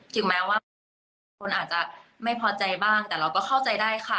ถึงแม้ว่าบางทีหลายคนอาจจะไม่พอใจบ้างแต่เราก็เข้าใจได้ค่ะ